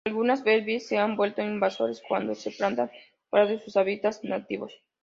Algunas "Berberis" se han vuelto invasoras cuando se plantan fuera de sus hábitats nativos.